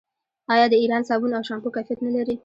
آیا د ایران صابون او شامپو کیفیت نلري؟